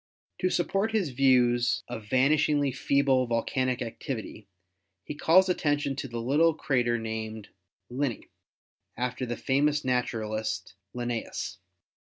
To support his views of vanish ingly feeble volcanic activity he calls attention to the little crater named Linne, after the famous naturalist, Linnaeus.